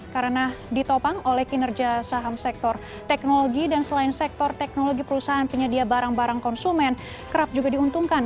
karena ditopang oleh kinerja saham sektor teknologi dan selain sektor teknologi perusahaan penyedia barang barang konsumen kerap juga diuntungkan